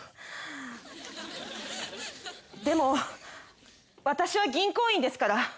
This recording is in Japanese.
でも私は銀行員ですから。